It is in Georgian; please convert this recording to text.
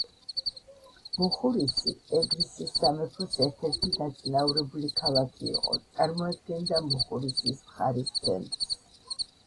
მუხურისი ეგრისის სამეფოს ერთ-ერთი დაწინაურებული ქალაქი იყო; წარმოადგენდა მუხურისის მხარის ცენტრს.